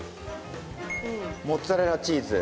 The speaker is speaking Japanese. モッツァレラチーズ。